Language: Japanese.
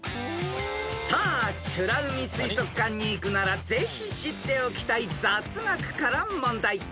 ［さあ美ら海水族館に行くならぜひ知っておきたい雑学から問題］